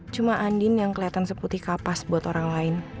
cuma andin yang kelihatan seputih kapas buat orang lain